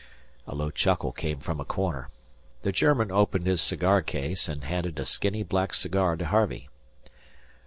A low chuckle came from a corner. The German opened his cigar case and handed a skinny black cigar to Harvey.